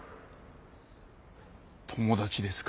友達ですか。